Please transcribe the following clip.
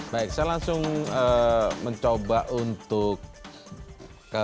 baik saya langsung mencoba untuk